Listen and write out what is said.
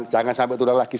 jangan sampai itu lagi